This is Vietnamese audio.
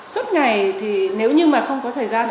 suốt ngày thì nếu như mà không có thời gian